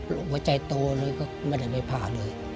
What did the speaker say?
หัวใจโตเลยก็ไม่ได้ไปผ่าเลย